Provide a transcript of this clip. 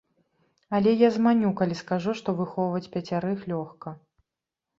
Але я зманю, калі скажу, што выхоўваць пяцярых лёгка!